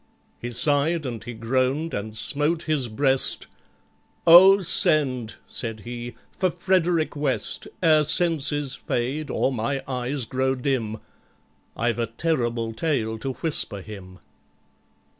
He sighed and he groaned and smote his breast; "Oh, send," said he, "for FREDERICK WEST, Ere senses fade or my eyes grow dim: I've a terrible tale to whisper him!"